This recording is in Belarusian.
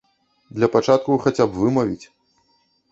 Для пачатку хаця б вымавіць.